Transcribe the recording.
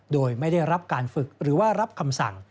โดยไม่ได้รับการฝึกหรือว่ารับคำสั่ง